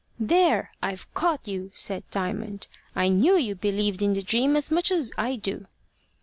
"There I've caught you!" said Diamond. "I knew you believed in the dream as much as I do."